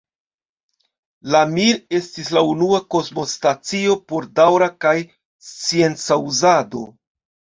La Mir estis la unua kosmostacio por daŭra kaj scienca uzado.